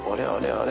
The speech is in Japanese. あれ？